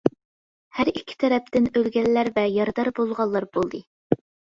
ھەر ئىككى تەرەپتىن ئۆلگەنلەر ۋە يارىدار بولغانلار بولدى.